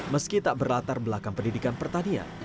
meski tak berlatar belakang pendidikan pertanian